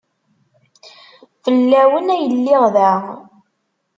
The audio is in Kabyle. Fell-awen ay lliɣ da.